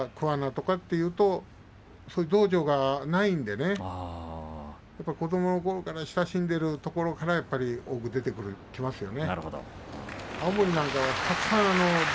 私の出身地の津市とか四日市とか桑名というとそういう道場がないので子どものころから親しんでいるところから多く出てきますよね。